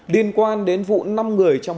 điên quan đến vụ năm người trong một chiến đấu